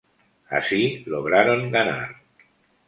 Así lograron ganar.